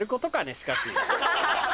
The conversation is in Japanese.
しかし。